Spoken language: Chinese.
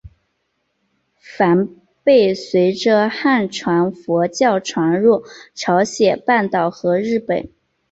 梵呗随着汉传佛教传入朝鲜半岛和日本。